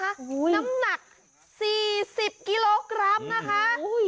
น้ำหนัก๔๐กิโลกรัมนะคะ